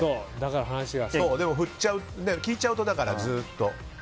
でも、聞いちゃうとずっと。